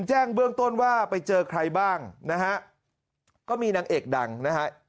แจ้งเบื้องต้นว่าไปเจอใครบ้างนะฮะก็มีนางเอกดังนะฮะ